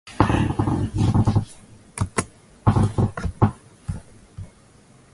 labda kwa pakubwa ni viongozi kutoelewa kwamba